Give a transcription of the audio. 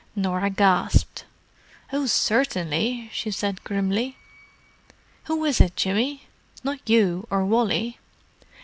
Norah gasped. "Oh, certainly!" she said, grimly. "Who is it, Jimmy? Not you or Wally?"